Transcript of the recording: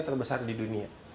terbesar di dunia